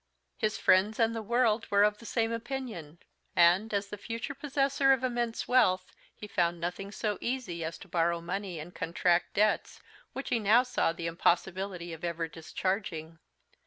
His friends and the world were of the same opinion; and, as the future possessor of immense wealth, he found nothing so easy as to borrow money and contract debts, which he now saw the impossibility of ever discharging.